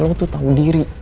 lu tau diri